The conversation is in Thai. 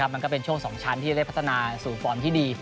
มันก็เป็นช่วง๒ชั้นที่ได้พัฒนาสู่ฟอร์มที่ดี